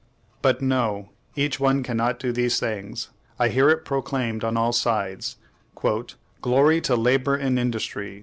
But, no; each one cannot do these things. I hear it proclaimed on all sides, "Glory to labor and industry!